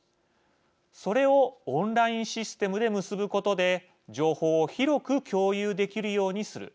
それをオンラインシステムで結ぶことで情報を広く共有できるようにする。